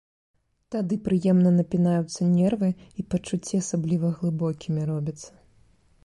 Тады прыемна напінаюцца нервы і пачуцці асабліва глыбокімі робяцца.